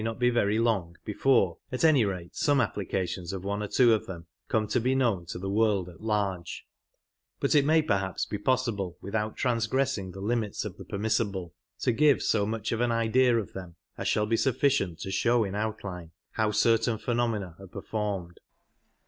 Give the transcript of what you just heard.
not be very long before at any rate some appli cations of one or two of them come to be known to the world at large : but it may perhaps be possible, without trans gressing the limits of the permissible, to give so much of an idea of them as shall be sufficient to show in outline how certain phenomena are performed.